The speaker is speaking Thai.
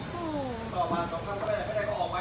กินก้าวไปแล้ว